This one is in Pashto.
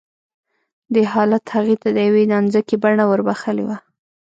دې حالت هغې ته د يوې نانځکې بڼه وربښلې وه